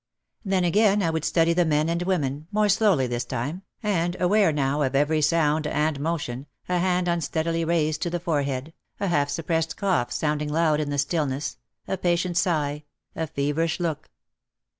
Then again I would study the men and women, more slowly this time, and aware now of every sound and motion, a hand unsteadily raised to the forehead, a half suppressed cough sounding loud in the stillness, a patient sigh, a feverish look.